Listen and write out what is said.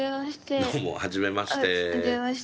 どうもはじめまして。